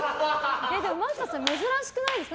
マキタさん、珍しくないですか。